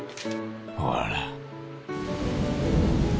ほら。